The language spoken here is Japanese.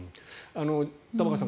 玉川さん